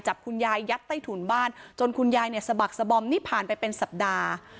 จับคุณยายยัดใต้ถุนบ้านจนคุณยายเนี่ยสะบักสะบอมนี่ผ่านไปเป็นสัปดาห์